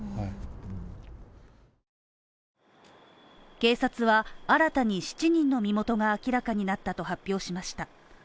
警察は新たに７人の身元が明らかになったと発表しました。